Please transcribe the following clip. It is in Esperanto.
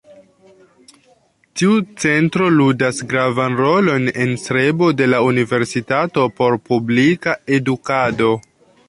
Tiu centro ludas gravan rolon en strebo de la Universitato por publika edukado.